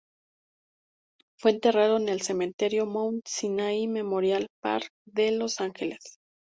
Fue enterrado en el Cementerio Mount Sinai Memorial Park de Los Ángeles.